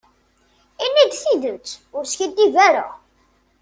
Ini-d tidet, ur skiddib ara.